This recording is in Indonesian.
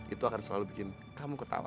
itu akan selalu bikin kamu ketawa